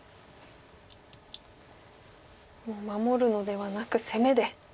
守るのではなく攻めで。